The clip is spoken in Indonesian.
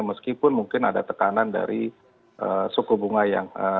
meskipun mungkin ada tekanan dari suku bunga yang